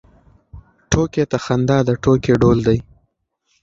ټوکې ته خندا د ټوکې ډول دی.